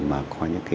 mà có những cái